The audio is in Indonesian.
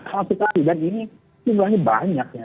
tapi kita lihat ini jumlahnya banyak